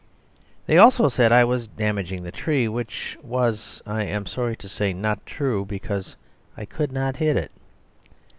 They also said I was damaging the tree; which was, I am sorry to say, not true, because I could not hit it.